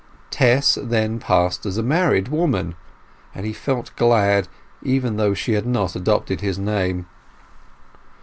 Tess, then, passed as a married woman, and he felt glad, even though she had not adopted his name.